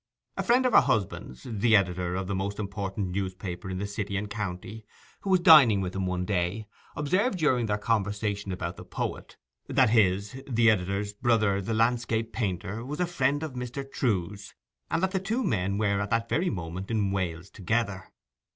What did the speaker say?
A friend of her husband's, the editor of the most important newspaper in the city and county, who was dining with them one day, observed during their conversation about the poet that his (the editor's) brother the landscape painter was a friend of Mr. Trewe's, and that the two men were at that very moment in Wales together.